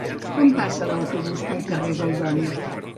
Quan passa l'autobús pel carrer Goldoni?